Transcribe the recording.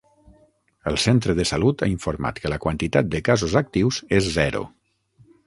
El centre de salut ha informat que la quantitat de casos actius és zero.